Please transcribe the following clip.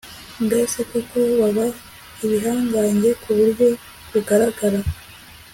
mbese koko baba ibihangange ku buryo bugaragara